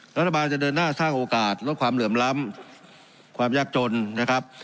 รัฐบาลจะเดินหน้าสร้างโอกาสลดความเหลื่อมล้ำความยากจนนะครับ